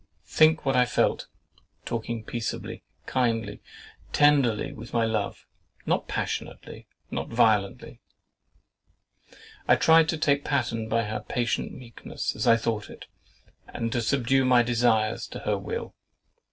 Think what I felt, talking peaceably, kindly, tenderly with my love,—not passionately, not violently. I tried to take pattern by her patient meekness, as I thought it, and to subdue my desires to her will.